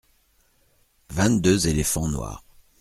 Vingt-deux éléphants noirs.